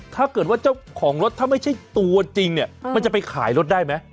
ถ้าเกิดว่าเจ้าของรถถ้าไม่ใช่ตัวจริงเนี่ยมันจะไปขายรถได้ไหม